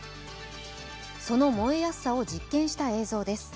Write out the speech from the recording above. その燃えやすさを実験した映像です。